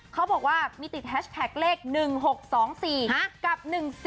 เขาบอกว่ามีติดแฮชแท็กเลข๑๖๒๔กับ๑๔